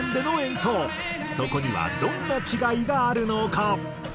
そこにはどんな違いがあるのか？